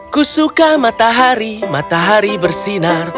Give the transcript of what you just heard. ku suka matahari matahari bersinar